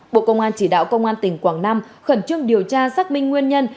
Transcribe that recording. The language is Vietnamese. bộ công an chỉ đạo công an tỉnh quảng nam khẩn trương điều tra xác minh nguyên nhân